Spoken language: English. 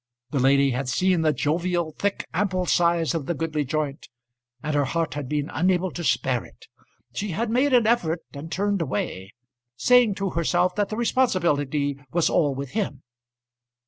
The lady had seen the jovial, thick, ample size of the goodly joint, and her heart had been unable to spare it. She had made an effort and turned away, saying to herself that the responsibility was all with him.